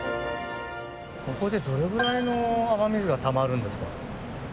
ここで、どのくらいの雨水がたまるんですか？